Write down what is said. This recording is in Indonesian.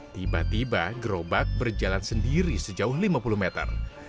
tiba tiba gerobak berjalan sendiri sejauh lima puluh meter